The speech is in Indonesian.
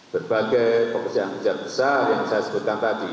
berbagai pekerjaan pekerjaan besar yang saya sebutkan tadi